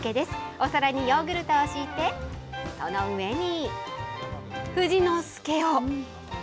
お皿にヨーグルトを敷いて、その上に富士の介を。